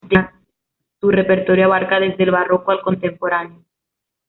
Su repertorio abarca desde el barroco al contemporáneo.